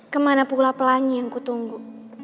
kemana pula pelangi yang ku tunggu